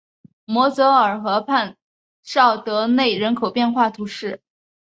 摩泽尔河畔绍德内人口变化图示